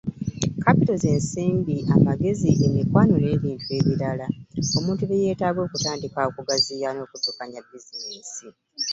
Kapito ze nsimbi, amagezi, emikwano n’ebintu ebirala, omuntu bye yeetaaga okutandika ,okugaziya n’okuddukanya biizinensi